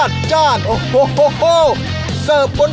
ปลาแซลมอน